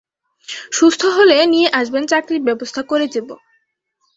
সুস্থ হলে নিয়ে আসবেন চাকরির ব্যবস্থা করে দিবো।